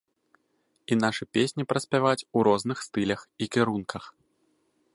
І нашы песні праспяваць у розных стылях і кірунках.